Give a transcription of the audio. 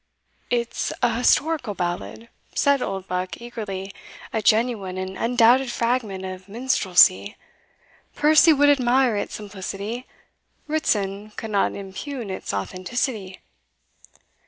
"It's a historical ballad," said Oldbuck, eagerly, "a genuine and undoubted fragment of minstrelsy! Percy would admire its simplicity Ritson could not impugn its authenticity."